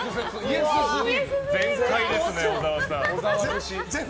全開ですよね、小沢さん。